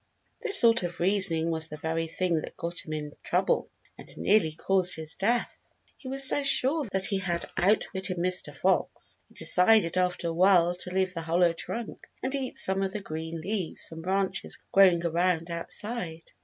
This sort of reasoning was the very thing that got him in trouble, and nearly caused his death. He was so sure that he had outwitted Mr. Fox, he decided after a while to leave the hollow trunk, and eat some of the green leaves and branches growing around outside.